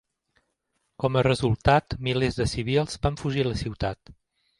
Com a resultat, milers de civils van fugir la ciutat.